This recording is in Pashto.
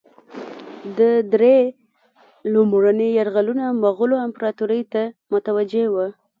ده درې لومړني یرغلونه مغولو امپراطوري ته متوجه وه.